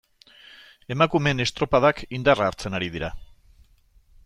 Emakumeen estropadak indarra hartzen ari dira.